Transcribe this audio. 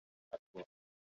bahari ni samawati.